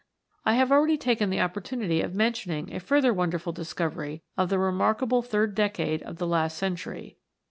I have already taken the opportunity of mentioning a further wonderful discovery of the remarkable third decade of the last century.